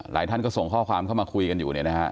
ท่านก็ส่งข้อความเข้ามาคุยกันอยู่เนี่ยนะฮะ